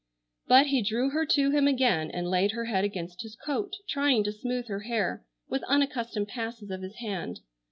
But he drew her to him again and laid her head against his coat, trying to smooth her hair with unaccustomed passes of his hand.